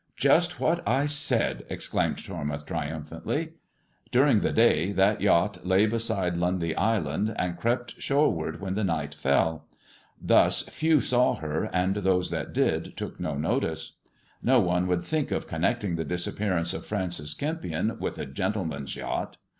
" Seized uid carried hini " Just what I said I " exclaimed Tormouth triumphantly, " During the day that yacht lay behind Lundy Island, and crept shoreward when the night fell. Thus few saw her, and those that did took no notice. liTo one would think of connecting the disappearance of Francis Kempion with a gentleman's yacht.